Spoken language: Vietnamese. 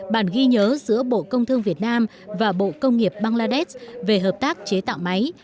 bản ghi nhớ giữa bộ công thương việt nam và bộ công nghiệp bangladesh về hợp tác chế tạo máy